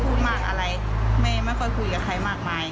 เป็นคนที่ไม่ค่อยพูดมากอะไรไม่ค่อยคุยกับใครมากมาย